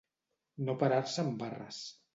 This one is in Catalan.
No parar-se en barres.